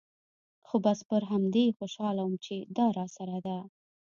خو بس پر همدې خوشاله وم چې دا راسره ده.